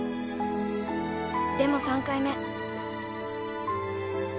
でも３回目。